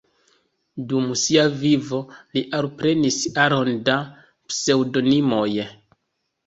Dum sia vivo li alprenis aron da pseŭdonimoj.